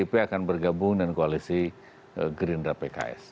karena mereka akan bergabung dengan koalisi gerindra pks